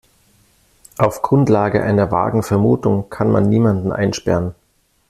Auf Grundlage einer vagen Vermutung kann man niemanden einsperren.